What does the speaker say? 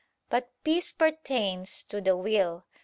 But peace pertains to the will.